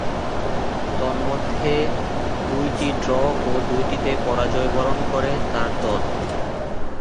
তন্মধ্যে দুইটি ড্র ও দুইটিতে পরাজয়বরণ করে তার দল।